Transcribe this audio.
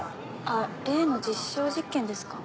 あ例の実証実験ですか？